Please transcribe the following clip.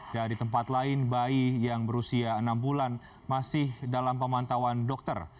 dari tempat lain bayi yang berusia enam bulan masih dalam pemantauan dokter